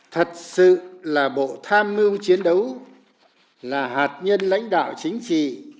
thật sự là bộ tham mưu chiến đấu là hạt nhân lãnh đạo chính trị